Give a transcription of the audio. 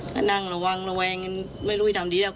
ก็นั่งละวางละแวงไม่รู้ว่าจะทำดีหรอก